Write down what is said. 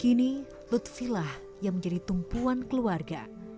kini lutfi lah yang menjadi tumpuan keluarga